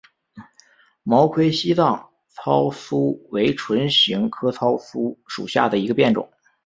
毛盔西藏糙苏为唇形科糙苏属下的一个变种。